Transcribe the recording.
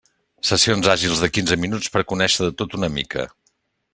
Sessions àgils de quinze minuts per conèixer de tot una mica.